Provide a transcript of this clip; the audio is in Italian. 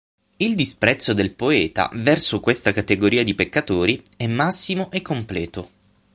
Il disprezzo del poeta verso questa categoria di peccatori è massimo e completo.